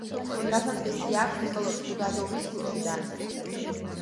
დასაწყისი აქვს ნიკოლოზ ხუდადოვის ქუჩიდან.